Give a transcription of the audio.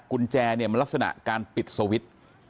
กุญแจเนี่ยมันลักษณะการปิดสวิตช์